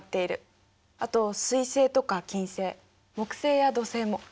あと水星とか金星木星や土星も。